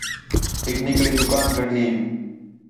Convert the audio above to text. ہِک نِکڑی دُکان گڈھین